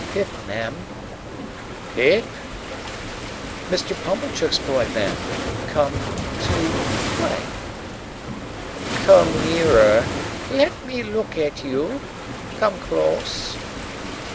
"Pip, ma'am." "Pip?" "Mr. Pumblechook's boy, ma'am. Come—to play." "Come nearer; let me look at you. Come close."